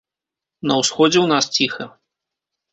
На ўсходзе ў нас ціха.